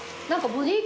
ボディ用